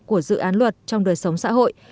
của dự án luật trong đời sống xã hội